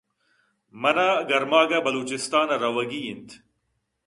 من ءَ گرماگ ءَ بلوچستان ءَ روگی اِنت